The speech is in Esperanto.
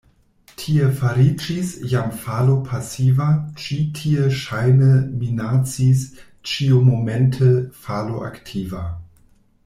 Tie fariĝis jam falo pasiva, ĉi tie ŝajne minacis ĉiumomente falo aktiva.